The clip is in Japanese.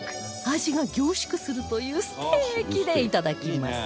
味が凝縮するというステーキでいただきます